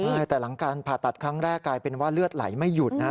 ใช่แต่หลังการผ่าตัดครั้งแรกกลายเป็นว่าเลือดไหลไม่หยุดนะฮะ